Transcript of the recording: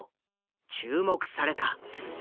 注目された。